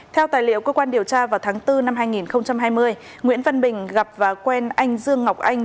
theo tài liệu cơ quan điều tra vào tháng bốn năm hai nghìn hai mươi nguyễn văn bình gặp và quen anh dương ngọc anh